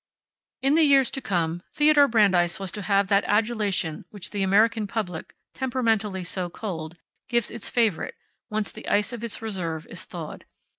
In the years to come Theodore Brandeis was to have that adulation which the American public, temperamentally so cold, gives its favorite, once the ice of its reserve is thawed.